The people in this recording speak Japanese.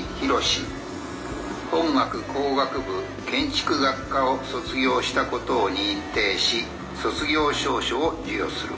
本学工学部建築学科を卒業したことを認定し卒業証書を授与する。